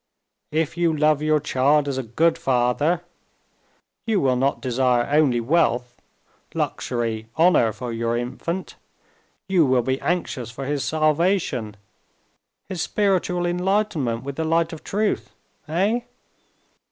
"If you love your child as a good father, you will not desire only wealth, luxury, honor for your infant; you will be anxious for his salvation, his spiritual enlightenment with the light of truth. Eh?